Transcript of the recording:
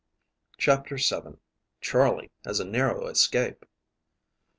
CHAPTER VII. CHARLEY HAS A NARROW ESCAPE.